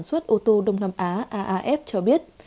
số liệu thông kê bình thường